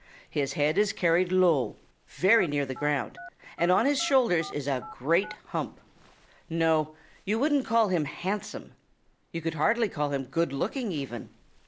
His head is carried low, very near the ground, and on his shoulders is a great hump. No, you wouldn't call him handsome. You would hardly call him good looking even.